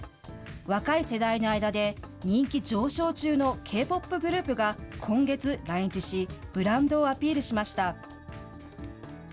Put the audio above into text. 若い世代の間で人気上昇中のＫ−ＰＯＰグループが今月来日し、ブランドをアピールしました。